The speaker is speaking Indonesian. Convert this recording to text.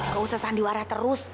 kau usah sandiwara terus